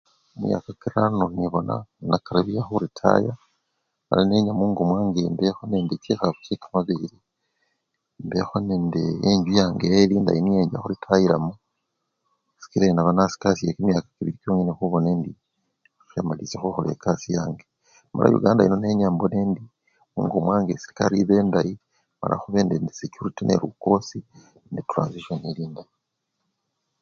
Mumyaka kirano nibona nga ndakikha khuritaya mala nenya mungo mwange mbeho nende chikhafu chekamabele, mbekho nende enjju yange eli-endayi nyo incha khuritayilamo sikila inaba nasikashe kimyaka kibili kyongene khubona indi khemalilisha ekasii yange, mala yuganda yino nenya khubona indi mungo mwase serekari ebendayi nelukosi netransishoni eli endayi.